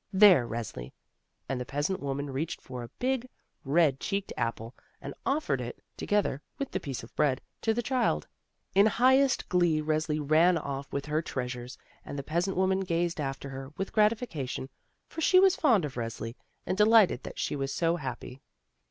There, Resli!" and the peasant woman reached for a big red cheeked apple, and offered it, together with the piece of bread, to the child. In highest glee Resli ran off with her treas ures, and the peasant woman gazed after her with gratification, for she was fond of Resli and de lighted that she was so happy.